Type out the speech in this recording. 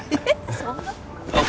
そんな事。